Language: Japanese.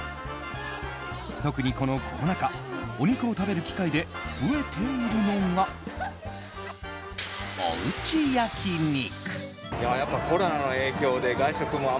特に、このコロナ禍お肉を食べる機会で増えているのが、おうち焼き肉。